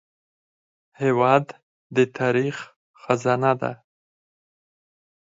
هېواد د تاریخ خزانه ده.